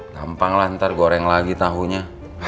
gampang lah ntar goreng lagi tahunya